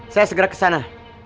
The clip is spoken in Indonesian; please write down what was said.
saya segera kesana